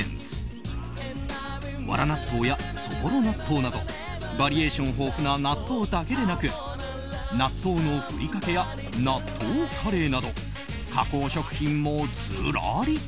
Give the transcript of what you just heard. わら納豆や、そぼろ納豆などバリエーション豊富な納豆だけでなく納豆のふりかけや納豆カレーなど加工食品もずらり。